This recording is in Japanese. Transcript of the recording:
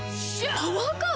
パワーカーブ⁉